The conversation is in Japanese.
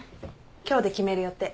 今日で決める予定。